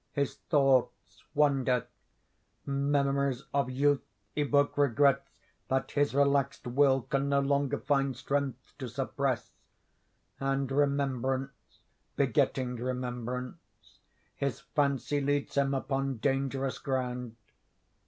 His thoughts wonder; memories of youth evoke regrets that his relaxed will can no longer find strength to suppress, and, remembrance begetting remembrance, his fancy leads him upon dangerous ground.